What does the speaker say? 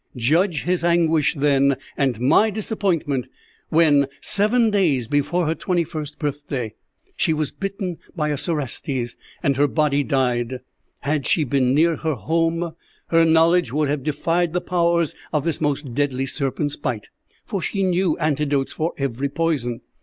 "Judge his anguish then, and my disappointment, when, seven days before her twenty first birthday, she was bitten by a cerastes, and her body died. Had she been near her home, her knowledge would have defied the powers of this most deadly serpent's bite; for she knew antidotes for every poison.